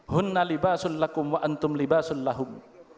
hunna libasul lakum wa antum libasul lahum